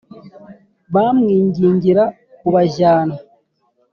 Bamwingingira kubajyana